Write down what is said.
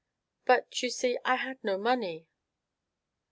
"But, you see, I had no money."